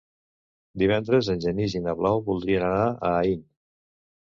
Divendres en Genís i na Blau voldrien anar a Aín.